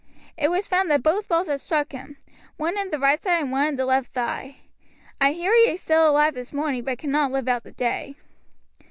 It was found that both balls had struck him, one in the right side and one in the left thigh. I hear he is still alive this morning, but cannot live out the day."